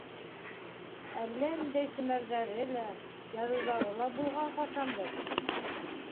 Әллә ниндәй семәрҙәре лә, яҙыуҙары ла булған ҡасандыр.